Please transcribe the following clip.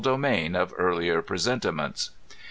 do main of earlier presentiments.